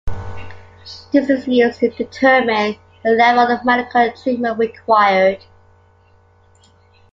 This is used to determine the level of medical treatment required.